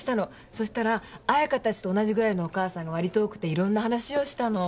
そしたら彩香たちと同じぐらいのお母さんがわりと多くていろんな話をしたの。